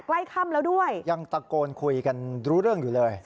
ใกล้ค่ำแล้วด้วยยังตะโกนคุยกันรู้เรื่องอยู่เลย